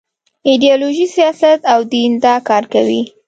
ایډیالوژي، سیاست او دین دا کار کوي.